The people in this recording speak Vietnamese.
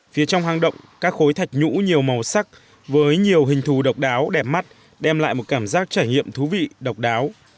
phía trong hang động các khối thạch nhũ nhiều màu sắc với nhiều hình thù độc đáo đẹp mắt đem lại một cảm giác trải nghiệm thú vị độc đáo